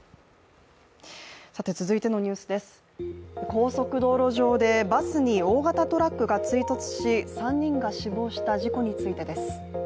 高速道路上でバスに大型トラックが追突し３人が死亡した事故についてです。